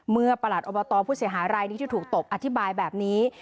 เมื่อประหลัดอบตผู้เสียหายไรด์ที่ถูกตบอธิบายแบบนี้